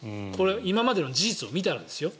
今までの事実を見たらですよ。